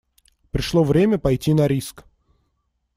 Пришло время пойти на риск.